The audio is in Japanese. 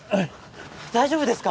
大丈夫ですか？